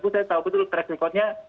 saya tahu betul kredit kodnya